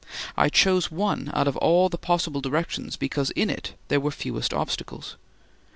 I chose one out of all the possible directions because in it there were fewest obstacles.